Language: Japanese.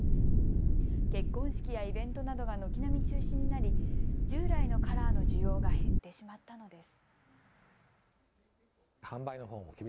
結婚式やイベントなどが軒並み中止になり従来のカラーの需要が減ってしまったのです。